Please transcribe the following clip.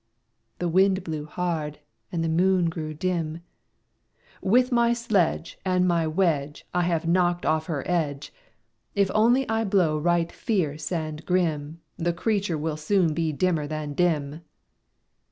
The Wind blew hard, and the Moon grew dim. "With my sledge And my wedge I have knocked off her edge! If only I blow right fierce and grim, The creature will soon be dimmer than dim."